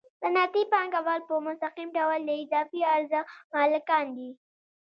صنعتي پانګوال په مستقیم ډول د اضافي ارزښت مالکان دي